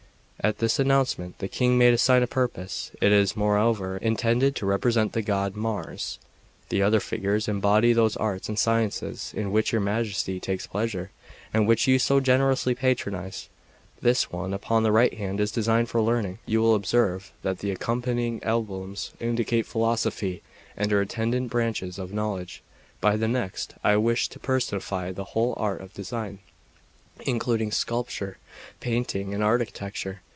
At this announcement the King made a sign of surprise. "It is, moreover, intended to represent the god Mars. The other figures embody those arts and sciences in which your Majesty takes pleasure, and which you so generously patronise. This one, upon the right hand, is designed for Learning; you will observe that the accompanying emblems indicate Philosophy, and her attendant branches of knowledge. By the next I wished to personify the whole Art of Design, including Sculpture, Painting, and Architecture.